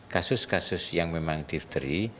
kasus kasus yang memang difteri